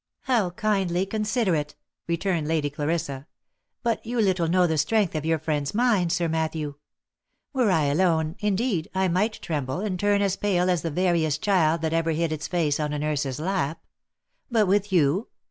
" How kindly considerate !" returned Lady Clarissa. " But you little know the strength of your friend's mind, Sir Matthew. Were I alone, indeed, I might tremble and turn as pale as the veriest child that ever hid its face on a nurse's lap ; but with you